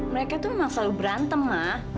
mereka tuh emang selalu berantem ma